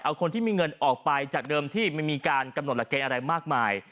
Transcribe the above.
เอาคนที่มีเงินออกไปจากเดิมที่ไม่มีการกำหนดหลักเกณฑ์อะไรมากมาย